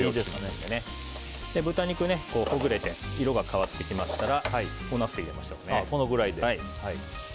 豚肉がほぐれて色が変わってきましたらおナスを入れましょう。